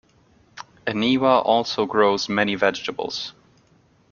Eniwa also grows many vegetables.